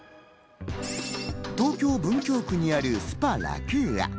東京・文京区にあるスパラクーア。